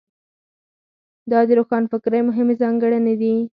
دا د روښانفکرۍ مهمې ځانګړنې دي.